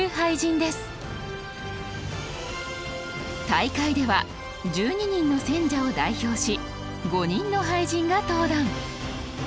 大会では１２人の選者を代表し５人の俳人が登壇。